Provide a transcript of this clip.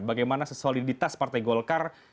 bagaimana sesoliditas partai golkar